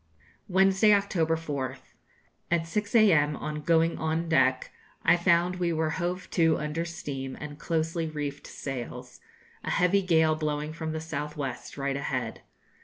Wednesday, October 4th. At 6 a.m., on going on deck I found we were hove to under steam and closely reefed sails, a heavy gale blowing from the south west, right ahead.